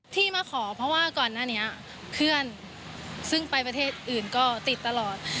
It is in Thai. ที่มาขอเพราะว่าก่อนหน้านี้เพื่อนซึ่งไปประเทศอื่นก็ติดตลอด